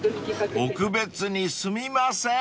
［特別にすみません］